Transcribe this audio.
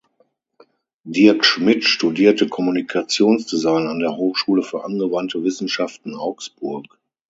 Dirk Schmidt studierte Kommunikationsdesign an der Hochschule für angewandte Wissenschaften Augsburg.